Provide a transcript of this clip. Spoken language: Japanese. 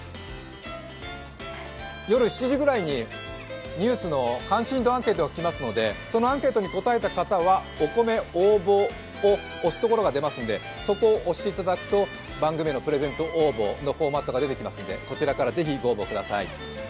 夜７時ぐらいにニュースの関心度アンケートが来ますのでそのアンケートに答えた方はお米応募を押すところが出ますのでそこを押していただくと番組へのプレゼントのフォーマットが出てきますのでそちらから、ぜひご応募ください。